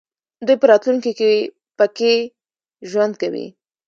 دوی په راتلونکي کې پکې ژوند کوي.